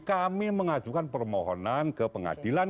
kami mengajukan permohonan ke pengadilan